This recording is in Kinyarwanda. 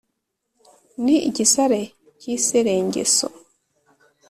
ni igisare ki serengeso